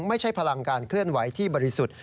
พลังการเคลื่อนไหวที่บริสุทธิ์